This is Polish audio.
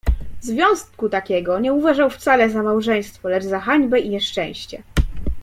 "Związku takiego nie uważał wcale za małżeństwo, lecz za hańbę i nieszczęście."